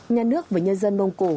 nhà nước và nhân dân mông cổ